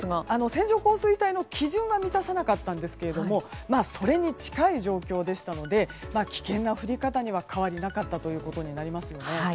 線状降水帯の基準は満たさなかったんですがそれに近い状況でしたので危険な降り方には変わりなかったことになります。